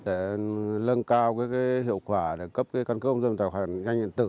để nâng cao hiệu quả để cấp căn cước công dân tài khoản định danh điện tử